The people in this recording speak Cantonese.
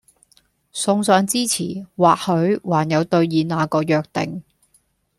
送上支持，或許還有兌現那個約定！